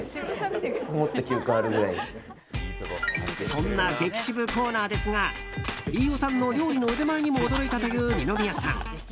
そんな激渋コーナーですが飯尾さんの料理の腕前にも驚いたという二宮さん。